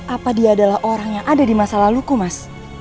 apa dia adalah orang yang ada di masa laluku mas